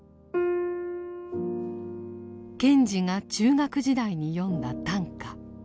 賢治が中学時代に詠んだ短歌。